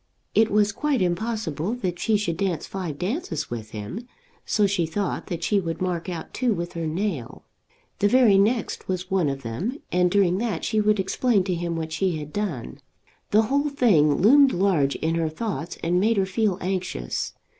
It was quite impossible that she should dance five dances with him, so she thought that she would mark out two with her nail. The very next was one of them, and during that she would explain to him what she had done. The whole thing loomed large in her thoughts and made her feel anxious.